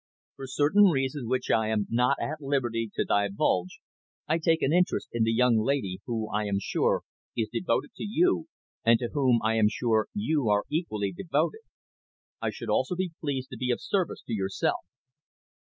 "For certain reasons which I am not at liberty to divulge, I take an interest in the young lady, who, I am sure, is devoted to you, and to whom I am sure you are equally devoted. I should also be pleased to be of service to yourself.